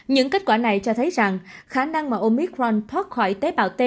những kết quả này cho thấy rằng khả năng mà omicront thoát khỏi tế bào t